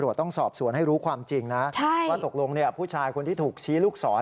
แล้วท่านเป็นคนที่ถูกชี้ในลูกศร